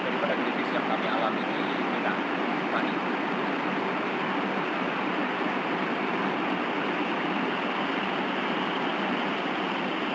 daripada divisi yang kami alami di bidang pertanian